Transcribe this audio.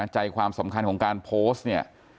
ใจความสำคัญของการโพสต์เนี่ย